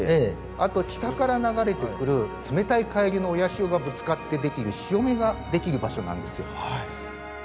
あと北から流れてくる冷たい海流の親潮がぶつかってできる潮目ができる場所なんですよ。